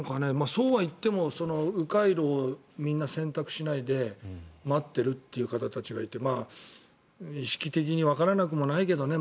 そうは言っても、迂回路をみんな選択しないで待っているという方たちがいて意識的にわからなくもないけどね。